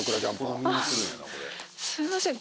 すいません